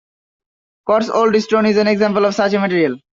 Cotswold stone is an example of such a material.